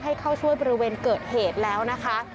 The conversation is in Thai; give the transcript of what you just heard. ให้เข้าช่วยบริเวณเกิดเหตุแล้วนะคะ